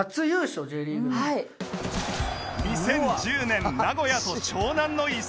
２０１０年名古屋と湘南の一戦